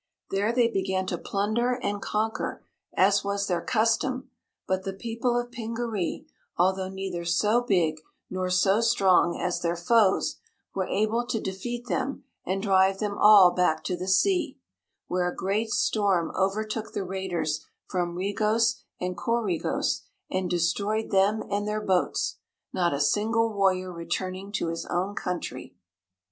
There they began to plunder and conquer, as was their custom, but the people of Pingaree, although neither so big nor so strong as their foes, were able to defeat them and drive them all back to the sea, where a great storm overtook the raiders from Regos and Coregos and destroyed them and their boats, not a single warrior returning to his own country.